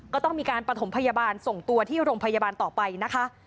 ก็ต้องมีการประถมพยาบาลส่งตัวที่โรงพยาบาลต่อไปนะคะ